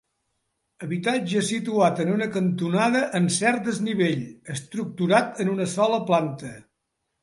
Habitatge situat en una cantonada en cert desnivell, estructurat en una sola planta.